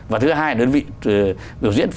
và thứ hai là đơn vị biểu diễn